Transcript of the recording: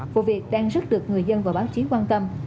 vụ việc đang rất được người dân và báo chí quan tâm